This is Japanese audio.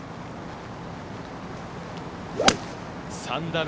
３打目。